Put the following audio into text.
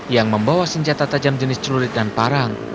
yang membawa senjata tajam jenis celurit dan parang